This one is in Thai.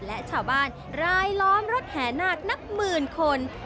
และชาวบ้านรายล้อมรถแห่นาคนับหมื่นคน